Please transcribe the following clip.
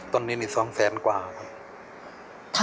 ตอนนี้นี่๒แสนกว่าครับ